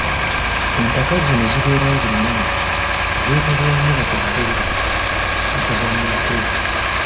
Empaka zino ezibeerawo buli mwaka, zeetabwamu ba kafulu mu kuzannya golf.